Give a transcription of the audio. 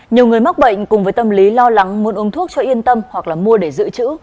nhiều người mắc bệnh cùng với tâm lý lo lắng muốn uống thuốc cho yên tâm hoặc là mua để giữ chữ